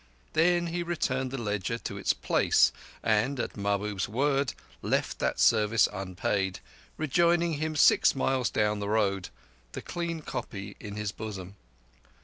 Then he returned the ledger to its place, and, at Mahbub's word, left that service unpaid, rejoining him six miles down the road, the clean copy in his bosom.